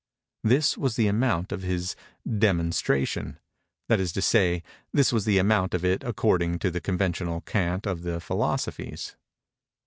This was the amount of his demonstration—that is to say, this was the amount of it, according to the conventional cant of the "philosophies."